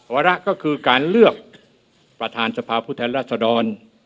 วาระก็คือการเลือกประธานสภาพผู้แทนรัศดร